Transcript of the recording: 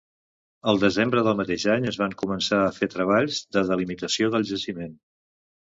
Al desembre del mateix any es van començar a fer treballs de delimitació del jaciment.